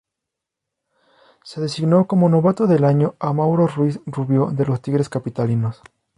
Se designó como novato del año a Mauro Ruiz Rubio de los Tigres Capitalinos.